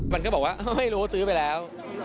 มันก็บอกว่าไม่รู้ซื้อไปแล้ว